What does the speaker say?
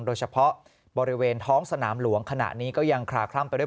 โดยเฉพาะบริเวณท้องสนามหลวงขณะนี้ก็ยังคลาคล่ำไปด้วย